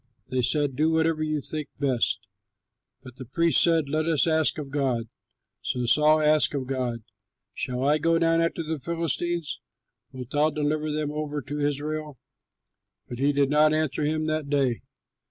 They said, "Do whatever you think best." But the priest said, "Let us ask of God." So Saul asked of God, "Shall I go down after the Philistines? Wilt thou deliver them over to Israel?" But he did not answer him that day.